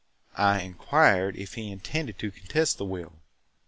I inquired if he intended to contest the will.